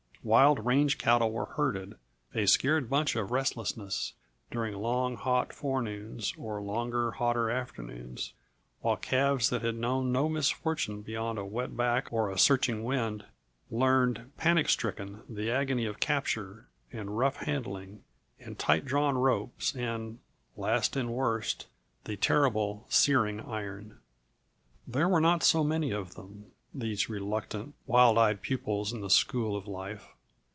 Wild range cattle were herded, a scared bunch of restlessness, during long, hot forenoons, or longer, hotter afternoons, while calves that had known no misfortune beyond a wet back or a searching wind learned, panic stricken, the agony of capture and rough handling and tight drawn ropes and, last and worst, the terrible, searing iron. There were not so many of them these reluctant, wild eyed pupils in the school of life.